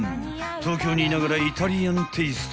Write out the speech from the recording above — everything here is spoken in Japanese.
［東京にいながらイタリアンテイスト］